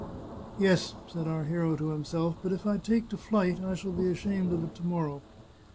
Yes," said our hero to himself, " but if I take to flight I shall be ashamed of it to morrow.